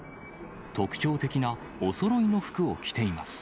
特徴的なおそろいの服を着ています。